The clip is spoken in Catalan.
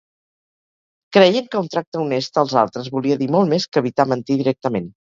Creien que un tracte honest als altres volia dir molt més que evitar mentir directament.